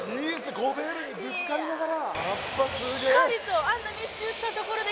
ゴベールにぶつかりながら！